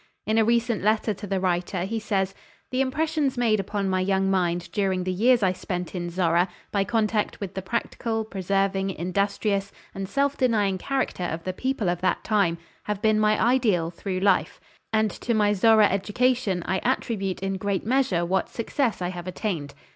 In a recent letter to the writer, he says: "The impressions made upon my young mind during the years I spent in Zorra, by contact with the practical, persevering, industrious and self denying character of the people of that time, have been my ideal through life; and to my Zorra education I attribute in great measure what success I have attained.